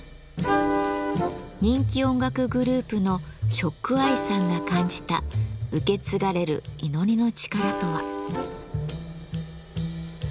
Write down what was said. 人気音楽グループのＳＨＯＣＫＥＹＥさんが感じた受け継がれる祈りの力とは。